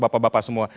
salam sehat selalu